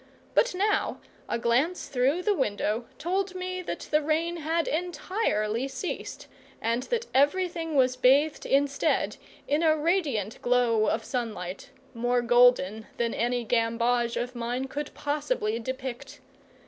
But now a glance through the window told me that the rain had entirely ceased, and that everything was bathed instead in a radiant glow of sunlight, more golden than any gamboge of mine could possibly depict.